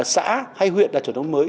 xã hay huyện đạt chuẩn nông thôn mới